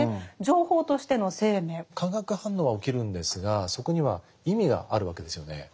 化学反応は起きるんですがそこには意味があるわけですよね。